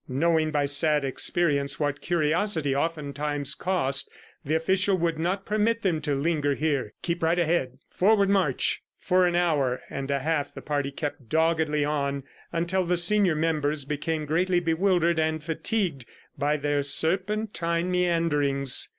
Knowing by sad experience, what curiosity oftentimes cost, the official would not permit them to linger here. "Keep right ahead! Forward march!" For an hour and a half the party kept doggedly on until the senior members became greatly bewildered and fatigued by their serpentine meanderings.